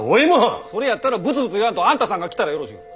それやったらブツブツ言わんとあんたさんが来たらよろし。